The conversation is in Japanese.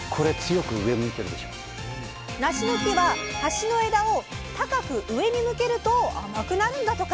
なしの木は端の枝を高く上に向けると甘くなるんだとか。